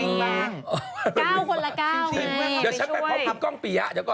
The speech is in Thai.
เดี๋ยวฉันไปพบคุณก้องปียะเดี๋ยวก่อน